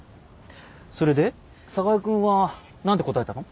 それで寒河江君は何て答えたの？